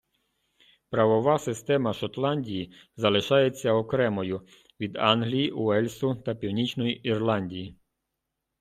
Правова система Шотландії залишається окремою від Англії, Уельсу та Північної Ірландії.